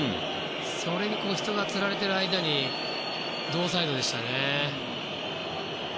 それに人がつられている間に同サイドでしたね。